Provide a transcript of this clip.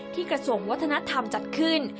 กระทรวงวัฒนธรรมจัดขึ้น